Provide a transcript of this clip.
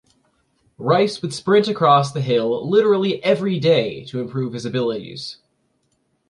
Rice would sprint across the hill literally every day to improve his abilities.